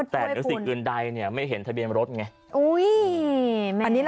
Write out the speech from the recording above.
แต่หนังสืออื่นใดไม่เห็นทะเบียนรถไง